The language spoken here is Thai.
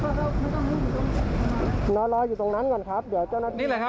น้องรออยู่ตรงนั้นก่อนครับเดี๋ยวเจ้านักนี้นี่แหละครับ